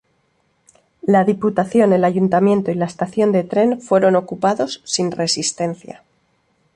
La Diputación, el ayuntamiento y la estación de tren fueron ocupados sin resistencia.